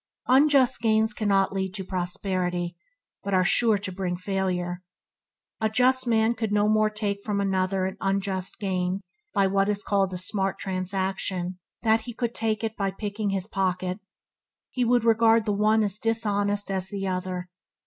Unjust gains cannot lead to prosperity, but are sure to bring failure. A just man could no more take from another an unjust gain by what is called a "smart transaction" that he could take it by picking his pocket. He would regard the one as dishonest as the other.